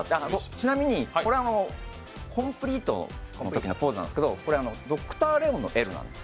ちなみに、これ、コンプリートのときのポーズなんですけど、これ、Ｄｒ．レオンのＬなんです。